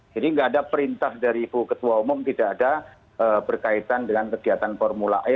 jadi nggak ada perintah dari ibu ketua umum tidak ada berkaitan dengan kegiatan formula e